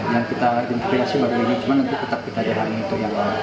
yang kita inspirasi bagi ini cuma nanti kita jalanin itu